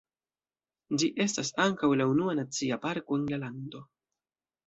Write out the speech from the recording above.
Ĝi estas ankaŭ la unua nacia parko en la lando.